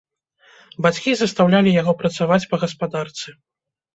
Бацькі застаўлялі яго працаваць па гаспадарцы.